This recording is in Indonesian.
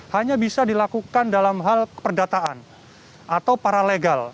hanya bisa dilakukan dalam hal keperdataan atau paralegal